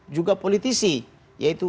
juga politisi yaitu